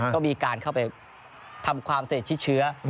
ก็มีการเข้าไปทำความสดิตชิดเชื้อ